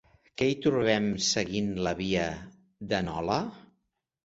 Què hi trobem seguint la via de Nola?